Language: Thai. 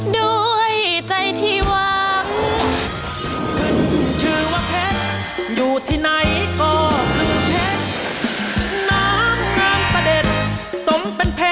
ด้วยใจที่หวัง